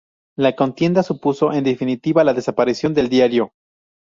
La contienda supuso, en definitiva, la desaparición del diario.